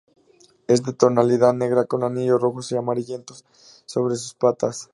Es de tonalidad negra, con anillos rojos y amarillentos sobre sus patas.